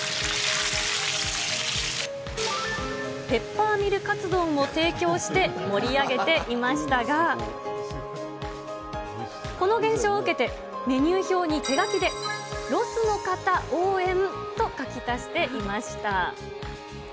ペッパーミル勝どんを提供して、盛り上げていましたが、この現象を受けて、メニュー表に手書きで、ロスの方応援と書き足していました。